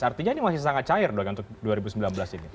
artinya ini masih sangat cair untuk dua ribu sembilan belas ini